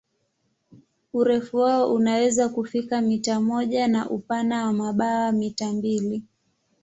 Urefu wao unaweza kufika mita moja na upana wa mabawa mita mbili.